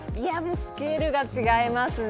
スケールが違いますね